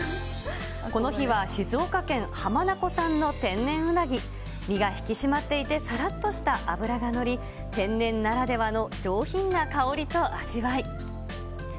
この日は静岡県浜名湖産の天然うなぎ、身が引き締まっていて、さらっとした脂が乗り、天然ならではの上品な香りと味わい。